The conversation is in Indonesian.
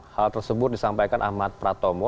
hal tersebut disampaikan ahmad pratomo